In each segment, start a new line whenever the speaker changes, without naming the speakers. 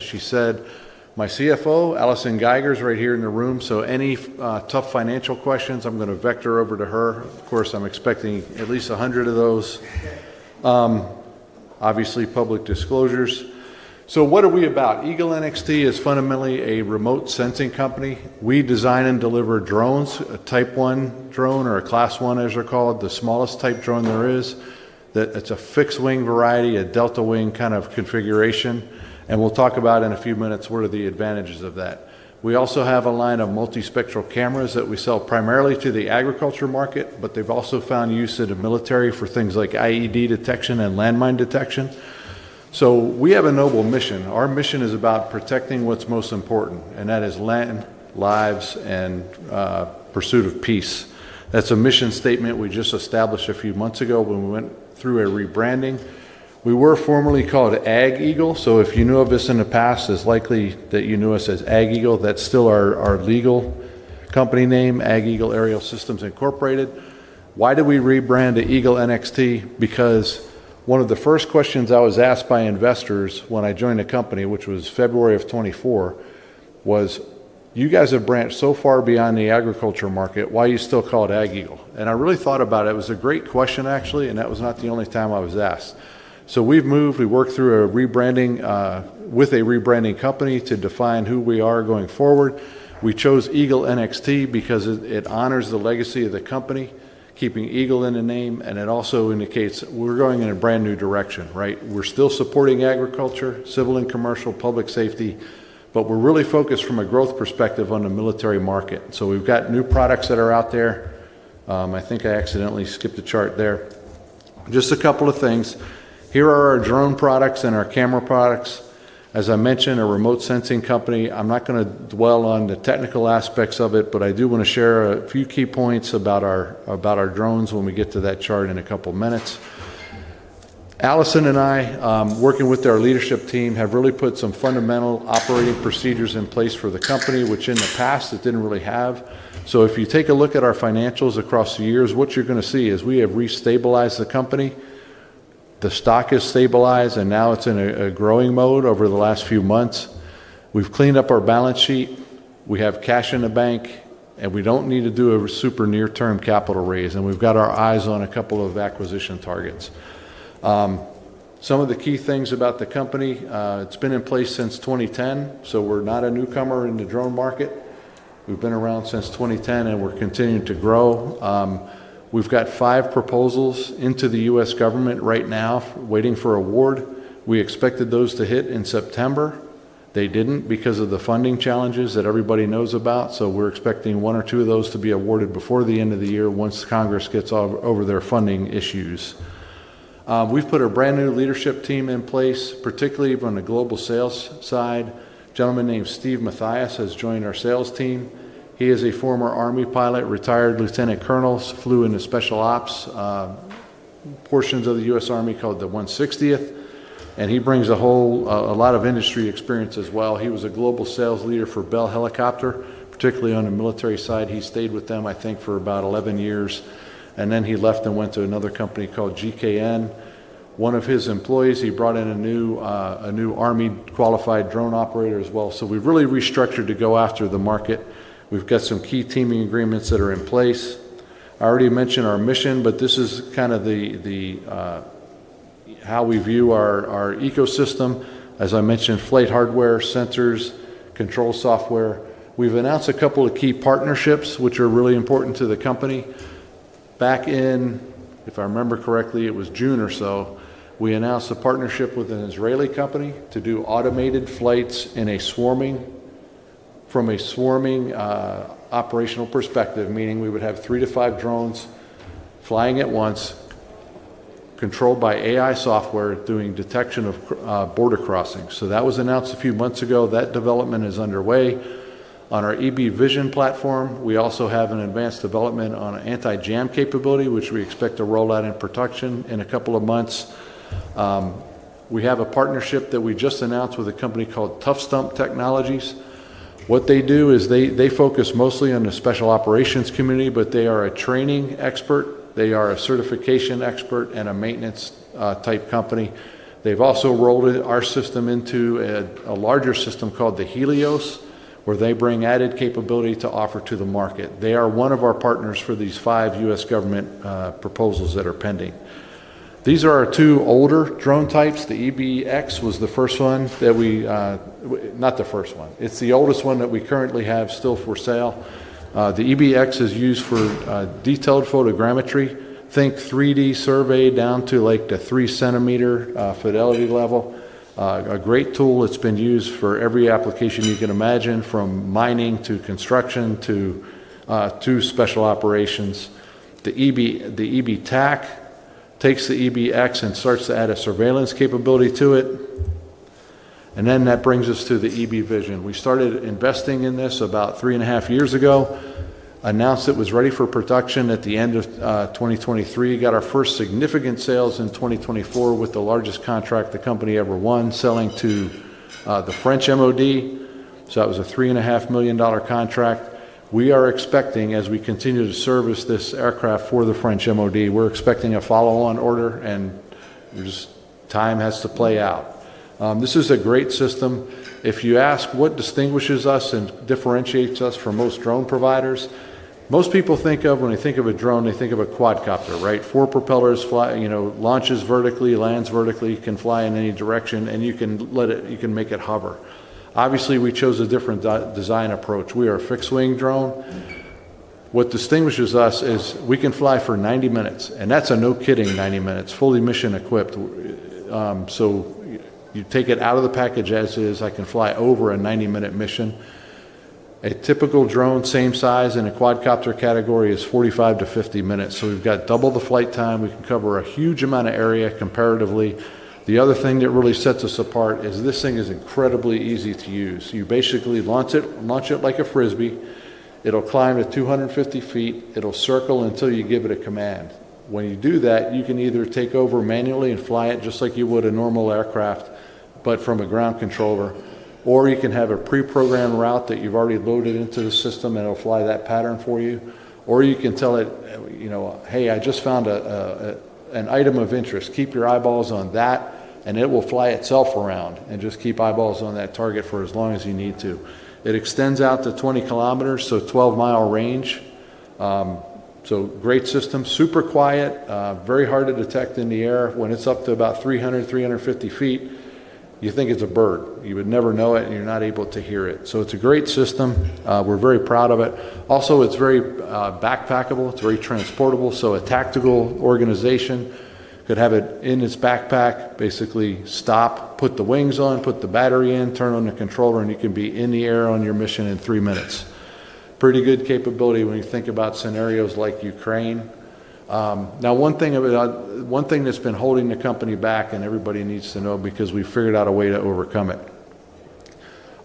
She said, "My CFO, Allison Geiger, is right here in the room, so any tough financial questions, I'm going to vector over to her. Of course, I'm expecting at least 100 of those. Obviously, public disclosures. What are we about? Eagle NXT is fundamentally a remote sensing company. We design and deliver drones, a Type 1 drone, or a Class 1, as they're called, the smallest type drone there is. It's a fixed-wing variety, a delta-wing kind of configuration. We'll talk about in a few minutes what are the advantages of that. We also have a line of multispectral cameras that we sell primarily to the agriculture market, but they've also found use in the military for things like IED detection and landmine detection. We have a noble mission. Our mission is about protecting what's most important, and that is land, lives, and pursuit of peace. That's a mission statement we just established a few months ago when we went through a rebranding. We were formerly called AgEagle, so if you knew of us in the past, it's likely that you knew us as AgEagle. That's still our legal company name, AgEagle Aerial Systems Inc. Why did we rebrand to Eagle NXT? One of the first questions I was asked by investors when I joined the company, which was February of 2024, was, "You guys have branched so far beyond the agriculture market. Why do you still call it AgEagle?" I really thought about it. It was a great question, actually, and that was not the only time I was asked. We've moved. We worked through a rebranding with a rebranding company to define who we are going forward. We chose Eagle NXT because it honors the legacy of the company, keeping Eagle in the name, and it also indicates we're going in a brand new direction, right? We're still supporting agriculture, civil and commercial, public safety, but we're really focused from a growth perspective on the military market. We've got new products that are out there. I think I accidentally skipped a chart there. Just a couple of things. Here are our drone products and our camera products. As I mentioned, a remote sensing company. I'm not going to dwell on the technical aspects of it, but I do want to share a few key points about our drones when we get to that chart in a couple minutes. Allison and I, working with our leadership team, have really put some fundamental operating procedures in place for the company, which in the past it didn't really have. If you take a look at our financials across the years, what you're going to see is we have restabilized the company. The stock has stabilized, and now it's in a growing mode over the last few months. We've cleaned up our balance sheet. We have cash in the bank, and we don't need to do a super near-term capital raise, and we've got our eyes on a couple of acquisition targets. Some of the key things about the company, it's been in place since 2010, so we're not a newcomer in the drone market. We've been around since 2010, and we're continuing to grow. We've got five proposals into the U.S. government right now waiting for award. We expected those to hit in September. They didn't because of the funding challenges that everybody knows about, so we're expecting one or two of those to be awarded before the end of the year once Congress gets over their funding issues. We've put a brand new leadership team in place, particularly on the global sales side. A gentleman named Steve Matthias has joined our sales team. He is a former Army pilot, retired Lieutenant Colonel, flew in the special ops portions of the U.S. Army called the 160th, and he brings a whole lot of industry experience as well. He was a global sales leader for Bell Helicopter, particularly on the military side. He stayed with them, I think, for about 11 years, and then he left and went to another company called GKN. One of his employees, he brought in a new Army-qualified drone operator as well. We've really restructured to go after the market. We've got some key teaming agreements that are in place. I already mentioned our mission, but this is kind of how we view our ecosystem. As I mentioned, flight hardware, sensors, control software. We've announced a couple of key partnerships, which are really important to the company. Back in, if I remember correctly, it was June or so, we announced a partnership with an Israeli company to do automated flights from a swarming operational perspective, meaning we would have three to five drones flying at once, controlled by AI software, doing detection of border crossings. That was announced a few months ago. That development is underway on our eBee VISION platform. We also have an advanced development on an anti-jam capability, which we expect to roll out in production in a couple of months. We have a partnership that we just announced with a company called Tough Stump Technologies. What they do is they focus mostly on the special operations community, but they are a training expert, they are a certification expert, and a maintenance-type company. They've also rolled our system into a larger system called the Helios system, where they bring added capability to offer to the market. They are one of our partners for these five U.S. government proposals that are pending. These are our two older drone types. The eBee X was the first one that we, not the first one, it's the oldest one that we currently have still for sale. The eBee X is used for detailed photogrammetry, think 3D survey down to like the 3-centimeter fidelity level. A great tool. It's been used for every application you can imagine, from mining to construction to special operations. The eBee TAC takes the eBee X and starts to add a surveillance capability to it. That brings us to the eBee VISION. We started investing in this about three and a half years ago, announced it was ready for production at the end of 2023, got our first significant sales in 2024 with the largest contract the company ever won, selling to the French Ministry of Defense. That was a $3.5 million contract. We are expecting, as we continue to service this aircraft for the French Ministry of Defense, we're expecting a follow-on order, and time has to play out. This is a great system. If you ask what distinguishes us and differentiates us from most drone providers, most people think of, when they think of a drone, they think of a quadcopter, right? Four propellers, launches vertically, lands vertically, can fly in any direction, and you can make it hover. Obviously, we chose a different design approach. We are a fixed-wing drone. What distinguishes us is we can fly for 90 minutes, and that's a no-kidding 90 minutes, fully mission-equipped. You take it out of the package as is, I can fly over a 90-minute mission. A typical drone, same size in a quadcopter category, is 45 to 50 minutes. We've got double the flight time. We can cover a huge amount of area comparatively. The other thing that really sets us apart is this thing is incredibly easy to use. You basically launch it like a frisbee. It'll climb to 250 feet. It'll circle until you give it a command. When you do that, you can either take over manually and fly it just like you would a normal aircraft, but from a ground controller, or you can have a pre-programmed route that you've already loaded into the system, and it'll fly that pattern for you. You can tell it, you know, "Hey, I just found an item of interest. Keep your eyeballs on that," and it will fly itself around and just keep eyeballs on that target for as long as you need to. It extends out to 20 kilometers, so 12-mile range. Great system, super quiet, very hard to detect in the air. When it's up to about 300, 350 feet, you think it's a bird. You would never know it, and you're not able to hear it. Great system. We're very proud of it. Also, it's very backpackable. It's very transportable. A tactical organization could have it in its backpack, basically stop, put the wings on, put the battery in, turn on the controller, and you can be in the air on your mission in three minutes. Pretty good capability when you think about scenarios like Ukraine. One thing that's been holding the company back, and everybody needs to know because we've figured out a way to overcome it.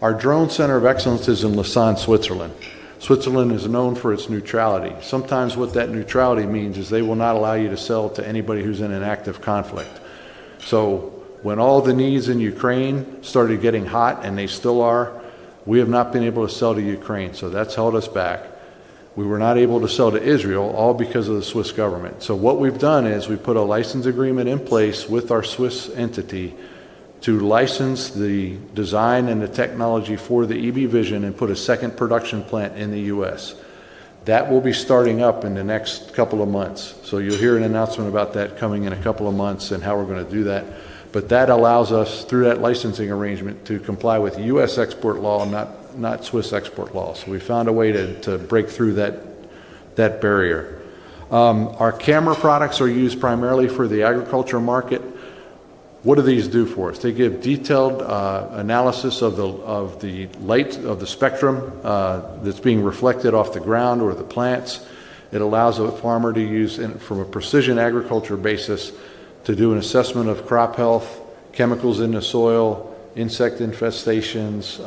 Our drone center of excellence is in Lausanne, Switzerland. Switzerland is known for its neutrality. Sometimes what that neutrality means is they will not allow you to sell to anybody who's in an active conflict. When all the needs in Ukraine started getting hot, and they still are, we have not been able to sell to Ukraine. That's held us back. We were not able to sell to Israel, all because of the Swiss government. What we've done is we put a license agreement in place with our Swiss entity to license the design and the technology for the eBee VISION and put a second production plant in the United States. That will be starting up in the next couple of months. You'll hear an announcement about that coming in a couple of months and how we're going to do that. That allows us, through that licensing arrangement, to comply with U.S. export law, not Swiss export law. We found a way to break through that barrier. Our camera products are used primarily for the agriculture market. What do these do for us? They give detailed analysis of the spectrum that's being reflected off the ground or the plants. It allows a farmer to use it from a precision agriculture basis to do an assessment of crop health, chemicals in the soil, insect infestations,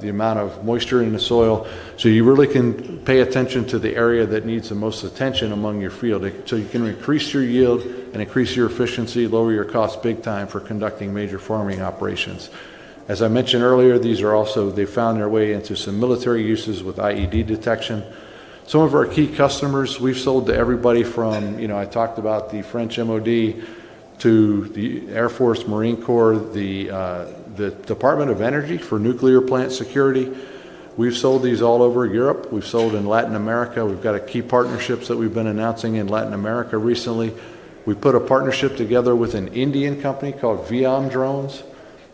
the amount of moisture in the soil. You really can pay attention to the area that needs the most attention among your field. You can increase your yield and increase your efficiency, lower your costs big time for conducting major farming operations. As I mentioned earlier, these are also, they found their way into some military uses with IED detection. Some of our key customers, we've sold to everybody from, you know, I talked about the French Ministry of Defense to the Air Force, Marine Corps, the Department of Energy for nuclear plant security. We've sold these all over Europe. We've sold in Latin America. We've got key partnerships that we've been announcing in Latin America recently. We put a partnership together with an Indian company called Viyam Drones.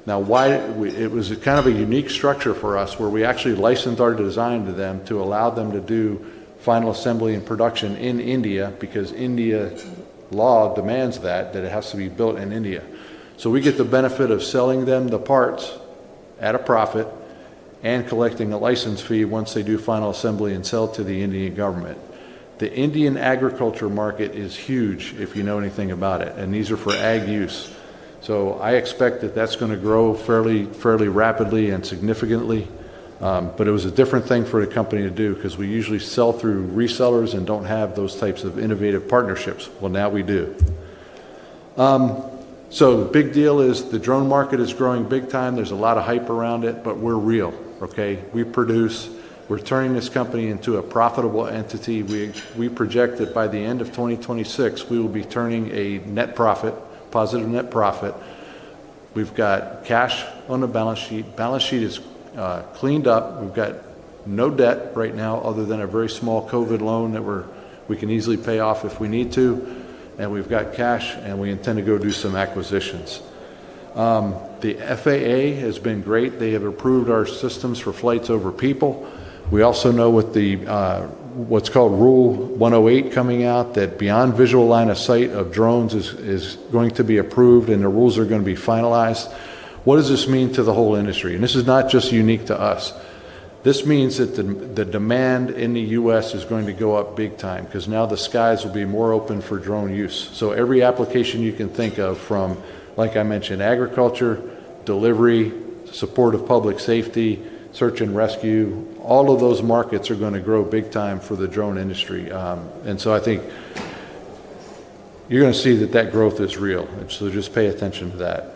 Now, why? It was kind of a unique structure for us where we actually licensed our design to them to allow them to do final assembly and production in India because India law demands that, that it has to be built in India. We get the benefit of selling them the parts at a profit and collecting a license fee once they do final assembly and sell to the Indian government. The Indian agriculture market is huge, if you know anything about it, and these are for ag use. I expect that that's going to grow fairly rapidly and significantly. It was a different thing for the company to do because we usually sell through resellers and don't have those types of innovative partnerships. Now we do. The big deal is the drone market is growing big time. There's a lot of hype around it, but we're real, okay? We produce. We're turning this company into a profitable entity. We project that by the end of 2026, we will be turning a net profit, positive net profit. We've got cash on the balance sheet. Balance sheet is cleaned up. We've got no debt right now other than a very small COVID loan that we can easily pay off if we need to. We've got cash, and we intend to go do some acquisitions. The FAA has been great. They have approved our systems for flights over people. We also know with what's called Rule 108 coming out that beyond visual line of sight of drones is going to be approved, and the rules are going to be finalized. What does this mean to the whole industry? This is not just unique to us. This means that the demand in the U.S. is going to go up big time because now the skies will be more open for drone use. Every application you can think of from, like I mentioned, agriculture, delivery, support of public safety, search and rescue, all of those markets are going to grow big time for the drone industry. I think you're going to see that that growth is real. Just pay attention to that.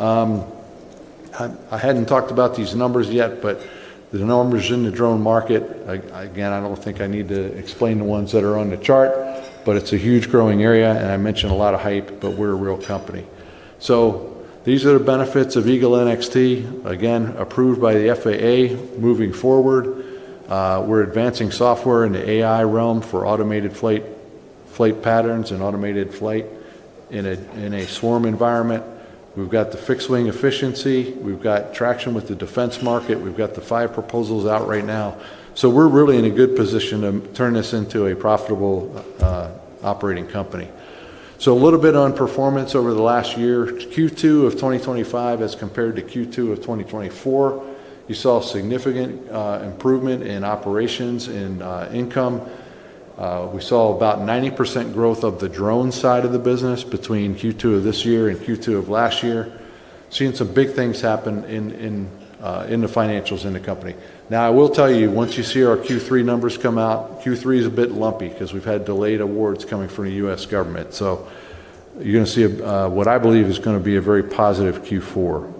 I hadn't talked about these numbers yet, but the numbers in the drone market, again, I don't think I need to explain the ones that are on the chart, but it's a huge growing area, and I mentioned a lot of hype, but we're a real company. These are the benefits of Eagle NXT, again, approved by the FAA. Moving forward, we're advancing software in the AI realm for automated flight patterns and automated flight in a swarm environment. We've got the fixed-wing efficiency. We've got traction with the defense market. We've got the five proposals out right now. We're really in a good position to turn this into a profitable operating company. A little bit on performance over the last year. Q2 of 2025 as compared to Q2 of 2024, you saw a significant improvement in operations and income. We saw about 90% growth of the drone side of the business between Q2 of this year and Q2 of last year, seeing some big things happen in the financials in the company. I will tell you, once you see our Q3 numbers come out, Q3 is a bit lumpy because we've had delayed awards coming from the U.S. government. You're going to see what I believe is going to be a very positive Q4.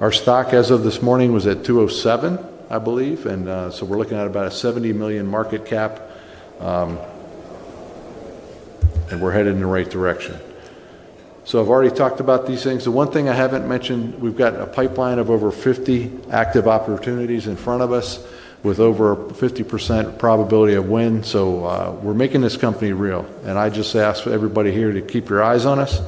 Our stock as of this morning was at $2.07, I believe, and we're looking at about a $70 million market cap, and we're headed in the right direction. I've already talked about these things. The one thing I haven't mentioned, we've got a pipeline of over 50 active opportunities in front of us with over 50% probability of win. We're making this company real, and I just ask everybody here to keep your eyes on us.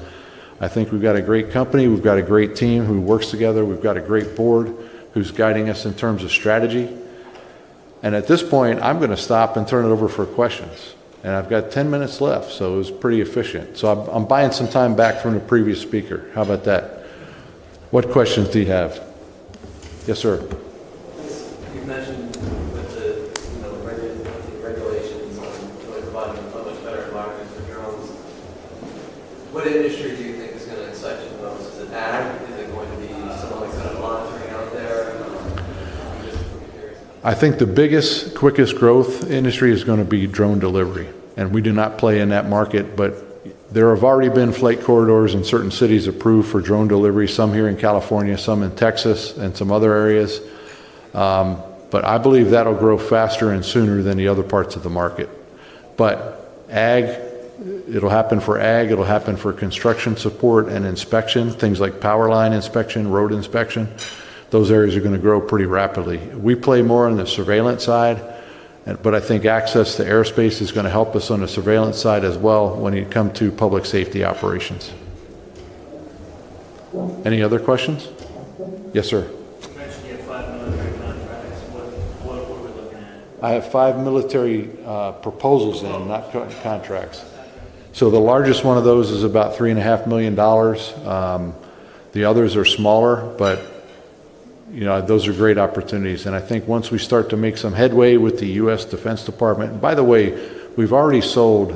I think we've got a great company. We've got a great team who works together. We've got a great board who's guiding us in terms of strategy. At this point, I'm going to stop and turn it over for questions. I've got 10 minutes left, so it was pretty efficient. I'm buying some time back from the previous speaker. How about that? What questions do you have? Yes, sir. You've mentioned that the regulations are really providing a much better environment for drones. What industry do you think is going to excite you the most? Is it ag? Is it going to be some other kind of monitoring out there? I'm just curious. I think the biggest, quickest growth industry is going to be drone delivery. We do not play in that market, but there have already been flight corridors in certain cities approved for drone delivery, some here in California, some in Texas, and some other areas. I believe that'll grow faster and sooner than the other parts of the market. Ag, it'll happen for ag. It'll happen for construction support and inspection, things like power line inspection, road inspection. Those areas are going to grow pretty rapidly. We play more on the surveillance side. I think access to airspace is going to help us on the surveillance side as well when you come to public safety operations. Any other questions? Yes, sir. You mentioned you have five military contracts. What are we looking at? I have five military proposals in, not contracts. The largest one of those is about $3.5 million. The others are smaller, but those are great opportunities. I think once we start to make some headway with the U.S. Defense Department, and by the way, we've already sold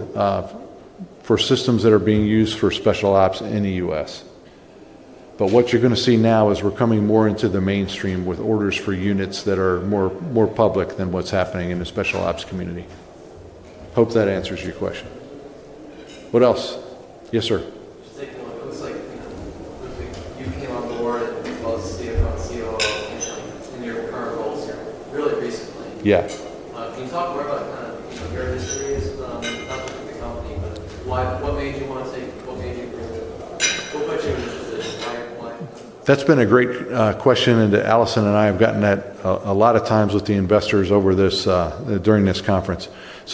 four systems that are being used for special ops in the U.S. What you're going to see now is we're coming more into the mainstream with orders for units that are more public than what's happening in the special ops community. Hope that answers your question. What else? Yes, sir. Just taking one, it looks like you came on board as both CFO and COO in your current roles here really recently. Yeah. Can you talk more about your history, not just with the company, but what made you want to take it, what made you bring it, what put you in this position? That's been a great question, and Allison and I have gotten that a lot of times with the investors during this conference.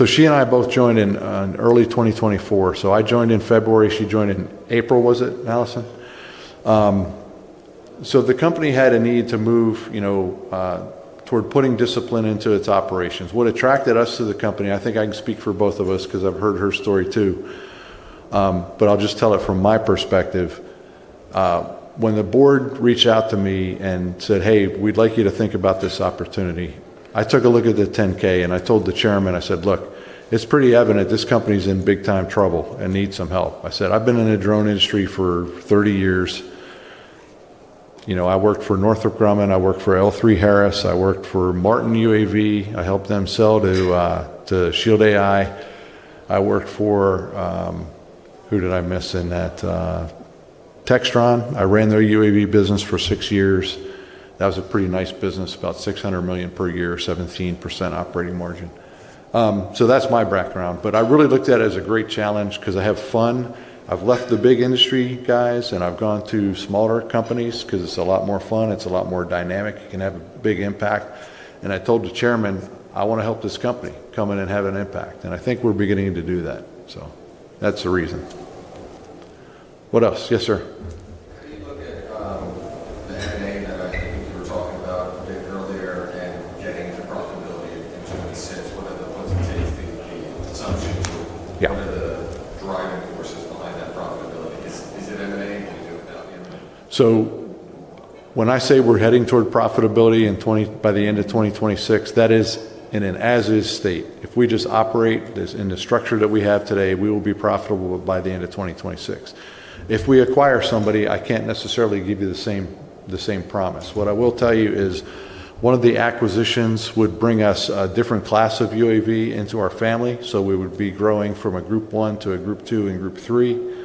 She and I both joined in early 2024. I joined in February. She joined in April, was it, Allison? The company had a need to move toward putting discipline into its operations. What attracted us to the company, I think I can speak for both of us because I've heard her story too. I'll just tell it from my perspective. When the board reached out to me and said, "Hey, we'd like you to think about this opportunity," I took a look at the 10-K and I told the chairman, I said, "Look, it's pretty evident this company's in big-time trouble and needs some help." I've been in the drone industry for 30 years. I worked for Northrop Grumman, I worked for L3 Harris, I worked for Martin UAV, I helped them sell to Shield AI. I worked for, who did I miss in that, Textron? I ran their UAV business for six years. That was a pretty nice business, about $600 million per year, 17% operating margin. That's my background. I really looked at it as a great challenge because I have fun. I've left the big industry guys and I've gone to smaller companies because it's a lot more fun. It's a lot more dynamic. You can have a big impact. I told the chairman, "I want to help this company come in and have an impact." I think we're beginning to do that. That's the reason. What else? Yes, sir. How do you look at the M&A that I think you were talking about a bit earlier and getting the profitability into the six, what does it take to be the assumption tool? What are the driving forces behind that profitability? Is it M&A? Can you do it without the M&A? When I say we're heading toward profitability by the end of 2026, that is in an as-is state. If we just operate in the structure that we have today, we will be profitable by the end of 2026. If we acquire somebody, I can't necessarily give you the same promise. What I will tell you is one of the acquisitions would bring us a different class of UAV into our family. We would be growing from a group one to a group two and group three.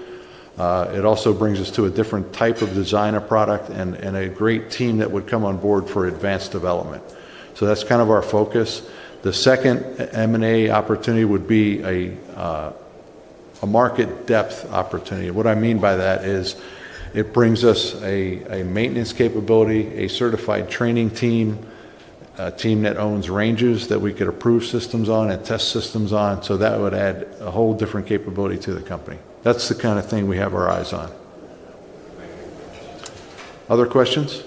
It also brings us to a different type of designer product and a great team that would come on board for advanced development. That's kind of our focus. The second M&A opportunity would be a market depth opportunity. What I mean by that is it brings us a maintenance capability, a certified training team, a team that owns ranges that we could approve systems on and test systems on. That would add a whole different capability to the company. That's the kind of thing we have our eyes on. Other questions?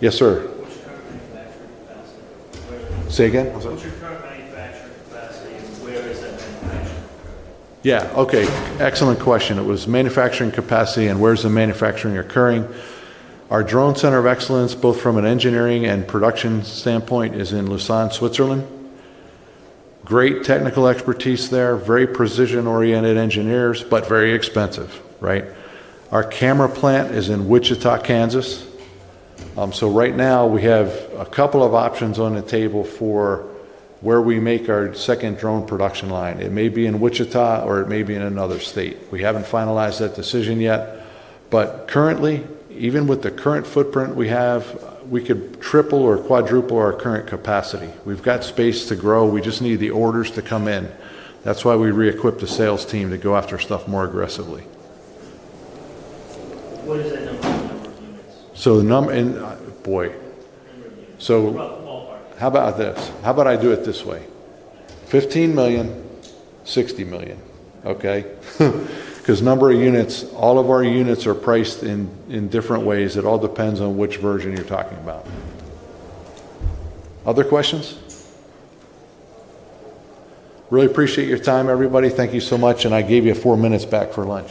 Yes, sir. What's your current manufacturing capacity? Say again? What's your current manufacturing capacity, and where is that manufacturing occurring? Yeah, okay. Excellent question. It was manufacturing capacity and where's the manufacturing occurring? Our drone center of excellence, both from an engineering and production standpoint, is in Lausanne, Switzerland. Great technical expertise there, very precision-oriented engineers, but very expensive, right? Our camera plant is in Wichita, Kansas, so right now we have a couple of options on the table for where we make our second drone production line. It may be in Wichita or it may be in another state. We haven't finalized that decision yet, but currently, even with the current footprint we have, we could triple or quadruple our current capacity. We've got space to grow. We just need the orders to come in. That's why we re-equipped the sales team to go after stuff more aggressively. What is that number, the number of units? The number, and boy. The number of units. So. How about ballpark? How about this? How about I do it this way? $15 million, $60 million, okay? Because number of units, all of our units are priced in different ways. It all depends on which version you're talking about. Other questions? Really appreciate your time, everybody. Thank you so much, and I gave you four minutes back for lunch.